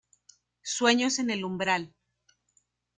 Sueños en el umbral.